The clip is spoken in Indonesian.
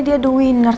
dia adalah pemenang